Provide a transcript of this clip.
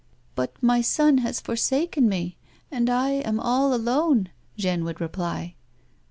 " But my son has forsaken me, and I am all alone," Jeanne would reply.